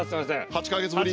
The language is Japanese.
８か月ぶり。